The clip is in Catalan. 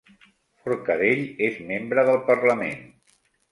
Forcadell és membre del parlament